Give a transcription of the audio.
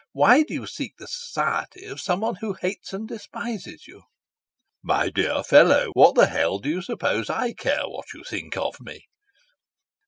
Why do you seek the society of someone who hates and despises you?" "My dear fellow, what the hell do you suppose I care what you think of me?"